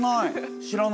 知らない。